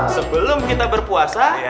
sebelum kita berpuasa